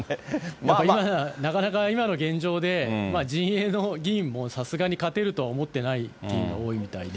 なかなか今の現状で、陣営の議員もさすがに勝てると思ってないっていうのが多いみたいで。